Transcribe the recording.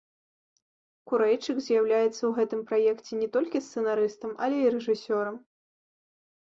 Курэйчык з'яўляецца ў гэтым праекце не толькі сцэнарыстам, але і рэжысёрам.